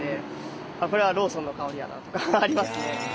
「これはローソンの香りやな」とかありますね。